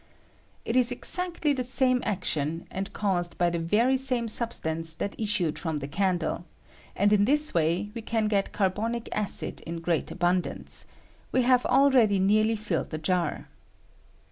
It is exact ly the same action, and caused by the very same substance that issued from the candle ; and in this way we can get carbonic acid in great ahimdance — we have already nearly filled the jar.